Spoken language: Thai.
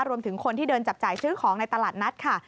รวมถึงคนที่เดินจับจ่ายซื้อของในตลาดนัดค่ะ